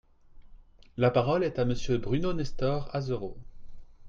La parole est à Monsieur Bruno Nestor Azerot.